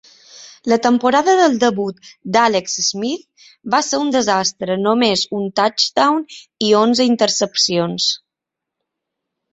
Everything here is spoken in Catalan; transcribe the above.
La temporada del debut d'Alex Smith va ser un desastre: només un touchdown i onze intercepcions.